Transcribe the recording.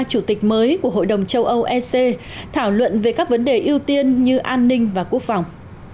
chủ tịch mới của hội đồng châu âu ec thảo luận về các vấn đề ưu tiên như an ninh và quốc phòng